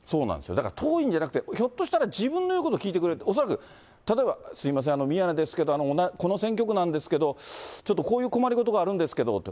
だから、遠いんじゃなくて、ひょっとしたら自分の言うことを聞いてくれる、恐らく、例えば、すみません、宮根ですけど、この選挙区なんですけれども、ちょっとこういう困りごとがあるんですけどって。